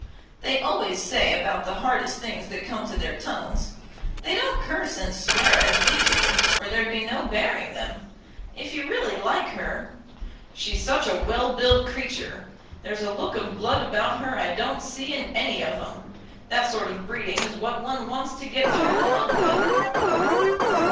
"They always say about the hardest things that come to their tongues. They don't curse and swear as we do, or there'd be no bearing them. If you really like her " "She's such a well built creature! There's a look of blood about her I don't see in any of 'em. That sort of breeding is what one wants to get through the mud with."